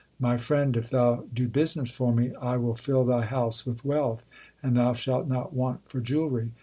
My friend, if thou do business for me, I will fill thy house with wealth, and thou shalt not want for jewellery.